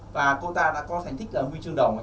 và cô ta đã có thành tích là huy chương đồng anh thành